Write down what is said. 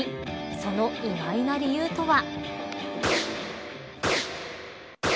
その意外な理由とは。